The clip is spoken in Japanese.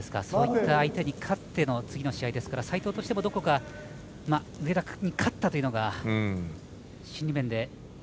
そういった相手に勝手の次の試合ですから斉藤としても上田君に勝ったというのが心理面で。